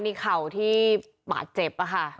ในเข่าในปากเจ็บ